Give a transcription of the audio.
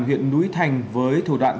huyện núi thành với thủ đoạn